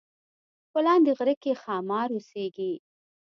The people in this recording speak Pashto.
په لاندې غره کې ښامار اوسیږي